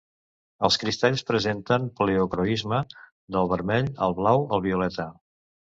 Els cristalls presenten pleocroisme del vermell al blau al violeta.